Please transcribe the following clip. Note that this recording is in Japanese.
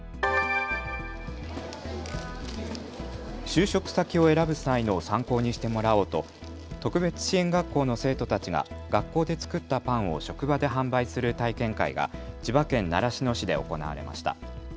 就職先を選ぶ際の参考にしてもらおうと特別支援学校の生徒たちが学校で作ったパンを職場で販売する体験会が千葉県習志野市で行われました。